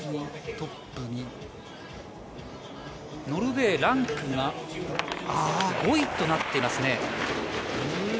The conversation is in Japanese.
ノルウェーのランクが５位となっていますね。